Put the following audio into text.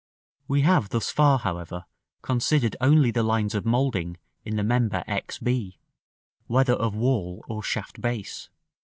We have thus far, however, considered only the lines of moulding in the member X b, whether of wall or shaft base.